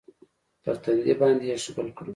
پر تندي باندې يې ښکل کړم.